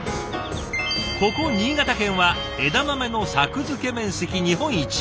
ここ新潟県は枝豆の作付面積日本一。